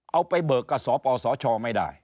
เอาไปเบิกกับสปสชไม่ได้